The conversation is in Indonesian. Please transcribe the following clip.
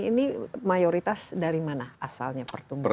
ini mayoritas dari mana asalnya pertumbuhan